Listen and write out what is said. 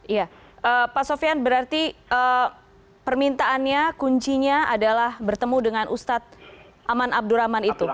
iya pak sofian berarti permintaannya kuncinya adalah bertemu dengan ustadz aman abdurrahman itu